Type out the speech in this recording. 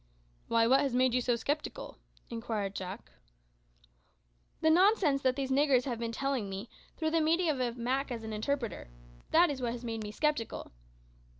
"Why, what has made you so sceptical?" inquired Jack. "The nonsense that these niggers have been telling me, through the medium of Mak as an interpreter; that is what has made me sceptical.